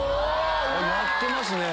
やってますね！